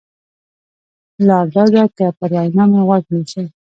لار دا ده که پر وینا مې غوږ نیسې.